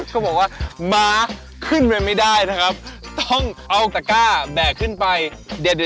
เขาบอกว่าม้าขึ้นไปไม่ได้นะครับต้องเอาตะก้าแบกขึ้นไปเด็ด